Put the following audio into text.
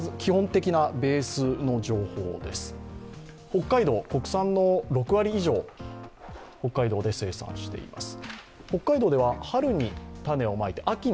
北海道、国産の６割以上、北海道で生産しています。